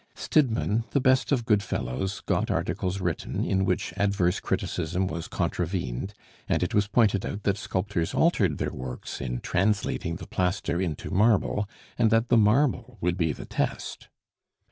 Stidmann, the best of good fellows, got articles written, in which adverse criticism was contravened, and it was pointed out that sculptors altered their works in translating the plaster into marble, and that the marble would be the test.